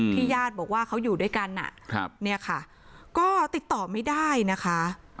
ญาติบอกว่าเขาอยู่ด้วยกันเนี่ยค่ะก็ติดต่อไม่ได้นะคะ